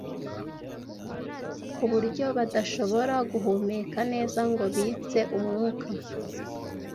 ku buryo badashobora guhumeka neza ngo bitse umwuka,